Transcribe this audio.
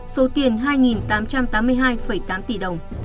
số tiền hai tám trăm tám mươi hai tám tỷ đồng